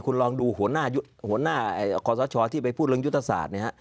คุณลองดูหัวหน้าขอซ้อชอที่ไปพูดเรื่องยุทธศาสตร์